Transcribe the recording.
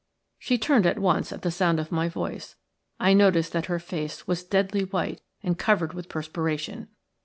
She turned at once at the sound of my voice. I noticed that her face was deadly white and covered with perspiration.